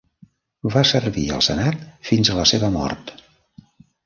Va servir al Senat fins a la seva mort.